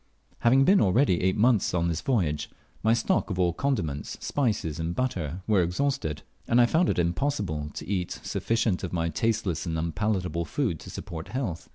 Having been already eight months on this voyage, my stock of all condiments, spices and butter, was exhausted, and I found it impossible to eat sufficient of my tasteless and unpalatable food to support health.